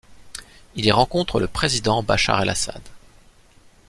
Il y rencontre le président Bachar el-Assad.